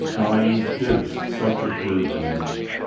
Mine is such a burden.